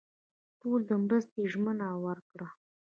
ټولو د مرستې ژمنه ورکړه.